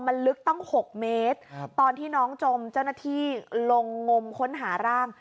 มันลึกตั้ง๖เมตรตอนที่น้องจมเจ้าหน้าที่ลงงมค้นหาร่าง